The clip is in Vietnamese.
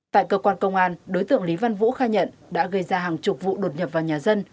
tại cơ quan công an đối tượng lý văn vũ khai nhận đã gây ra hàng chục vụ đột nhập vào nhà dân